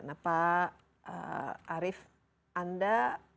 nah pak arief anda